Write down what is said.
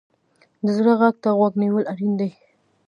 د زړه غږ ته غوږ نیول اړین دي.